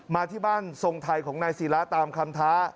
มาที่บ้านทรงไทยของนายศิราตามคำท้า